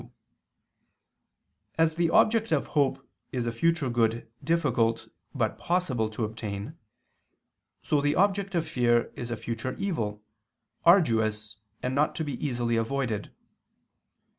2), as the object of hope is a future good difficult but possible to obtain, so the object of fear is a future evil, arduous and not to be easily avoided.